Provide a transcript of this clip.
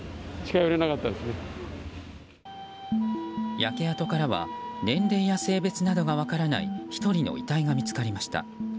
焼け跡からは年齢や性別などが分からない１人の遺体が見つかりました。